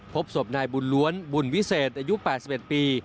พบศพนายบุญล้วนบุญวิเศษอายุ๘๑ปี